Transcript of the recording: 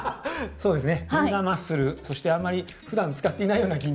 そうですね。